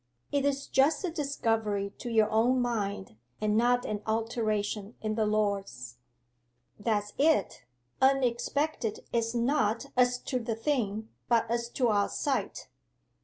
'It is just a discovery to your own mind, and not an alteration in the Lord's.' 'That's it. Unexpected is not as to the thing, but as to our sight.